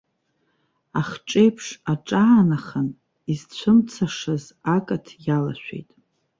Ахҿеиԥш аҿаанахан изцәымцашаз акаҭ иалашәеит.